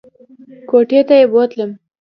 کوټې ته یې بوتلم !